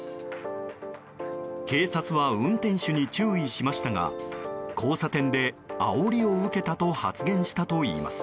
警察は運転手に注意しましたが交差点であおりを受けたと発言したといいます。